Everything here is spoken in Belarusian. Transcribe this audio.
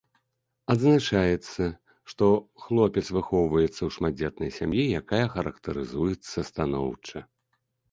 Адзначаецца, што хлопец выхоўваецца ў шматдзетнай сям'і, якая характарызуецца станоўча.